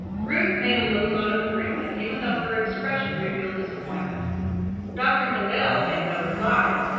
Ruth made a little nod of agreement even though her expression revealed disappointment. Dr. Mendel made no reply.